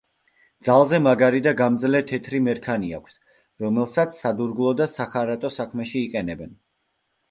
ძალზე მაგარი და გამძლე თეთრი მერქანი აქვს, რომელსაც სადურგლო და სახარატო საქმეში იყენებენ.